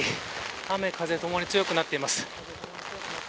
雨風ともに強くなっています。